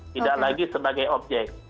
tidak lagi sebagai objek